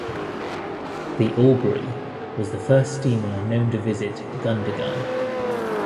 The 'Albury' was the first steamer known to visit Gundagai.